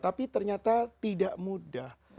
tapi ternyata tidak mudah